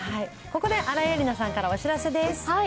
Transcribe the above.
ここで新井恵理那さんからお知らせです。